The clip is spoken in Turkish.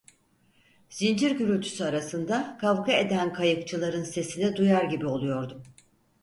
Zincir gürültüsü arasında kavga eden kayıkçıların sesini duyar gibi oluyordum.